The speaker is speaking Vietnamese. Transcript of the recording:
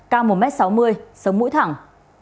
cao một m sáu mươi sống mũi thẳng